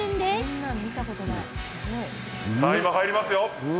さあ今、入りますよ！